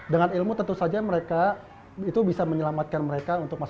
dengan ilmu tentu saja mereka itu bisa menyelamatkan mereka untuk masyarakat